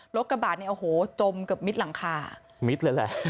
รถกระบาดนี้โจมกับมิดหลังคามิดเลยแหละ